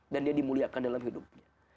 dan dia dimuliakan dalam hidupnya